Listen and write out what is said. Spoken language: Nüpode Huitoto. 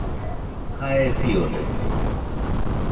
Jae fiodaite